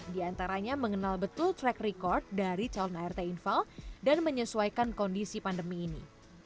diantaranya mengenal betul track record dari calon art inval dan menyesuaikan kondisi pandemi ini